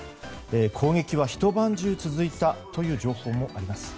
攻撃は一晩中続いたという情報もあります。